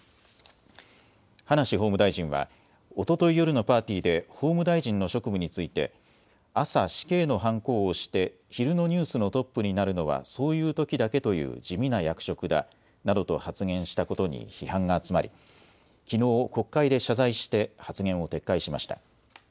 葉梨法務大臣はおととい夜のパーティーで法務大臣の職務について朝、死刑のはんこを押して昼のニュースのトップになるのはそういうときだけという地味な役職だなどと発言したことに批判が集まりきのう国会で謝罪して発言を撤回しました。